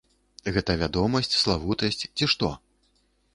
Гэта вядомасць, славутасць ці што?